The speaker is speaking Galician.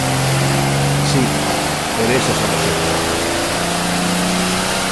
Si, pero eses son os seus.